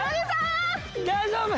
大丈夫？